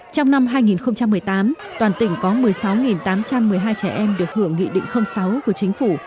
trong năm hai nghìn một mươi tám toàn tỉnh có một mươi sáu tám trăm một mươi hai trẻ em được hưởng nghị định sáu của chính phủ